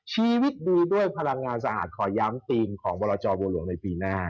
ชีวิตดูด้วยพลังงานสะอาดขอย้ำธีมของบรจอบัวหลวงในปีหน้า